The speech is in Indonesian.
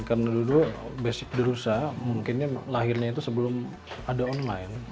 karena dulu basic di rusa mungkin lahirnya itu sebelum ada online